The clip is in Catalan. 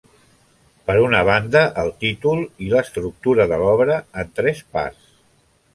Per una banda el títol, i l'estructura de l'obra en tres parts.